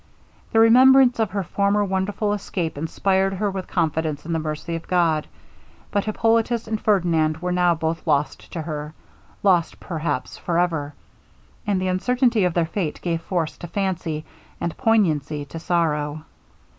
The remembrance of her former wonderful escape inspired her with confidence in the mercy of God. But Hippolitus and Ferdinand were now both lost to her lost, perhaps, for ever and the uncertainty of their fate gave force to fancy, and poignancy to sorrow.